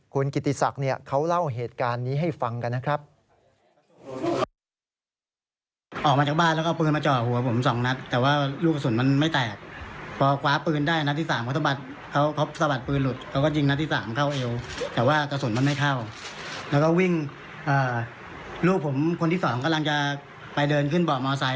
คุณกิติศักดิ์เขาเล่าเหตุการณ์นี้ให้ฟังกันนะครับ